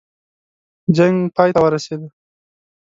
جنګ پای ته ورسېدی.